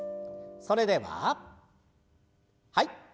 それでははい。